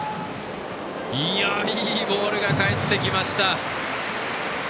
いいボールが返ってきました。